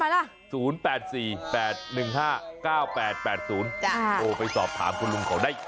เออได้ไหมล่ะ๐๘๔๘๑๕๙๘๘๐โอไปสอบถามคุณลุงเขาได้